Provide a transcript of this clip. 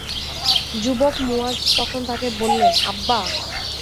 যুবক মুয়ায তখন তাকে বললেন, আব্বা!